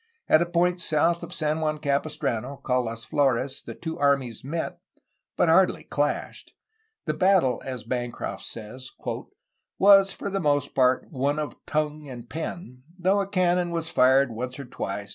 At a point south of San Juan Capis trano called Las Flores the two armies met, but hardly clashed. The battle, as Bancroft says, "was for the most part one of tongue and pen, though a cannon was fired once or twice